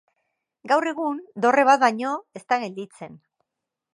Gaur egun dorre bat baino ez da gelditzen.